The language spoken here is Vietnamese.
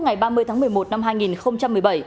ngày ba mươi tháng một mươi một năm hai nghìn một mươi bảy